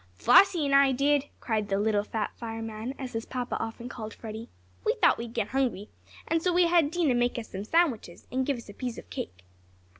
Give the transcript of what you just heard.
"Flossie and I did!" cried "the little fat fireman," as his papa often called Freddie. "We thought we'd get hungry, so we had Dinah make us some sandwiches, and give us a piece of cake."